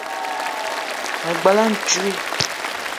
Me bela ntouii